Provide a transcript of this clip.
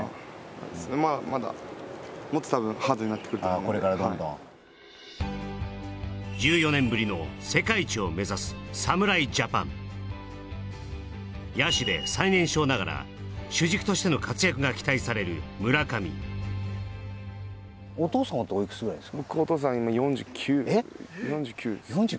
まあまだこれからどんどん１４年ぶりの世界一を目指す侍ジャパン野手で最年少ながら主軸としての活躍が期待される村上はいそうです